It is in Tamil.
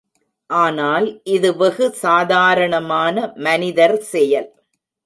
ஆனால் இது வெகு சாதாரணமான மனிதர் செயல்.